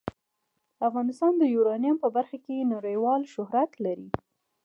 افغانستان د یورانیم په برخه کې نړیوال شهرت لري.